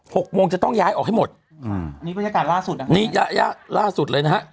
หกโมงจะต้องย้ายออกให้หมดอืมนี่บรรยากาศล่าสุดอ่ะนี่ยะยะล่าสุดเลยนะฮะ